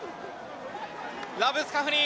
ラブスカフニ。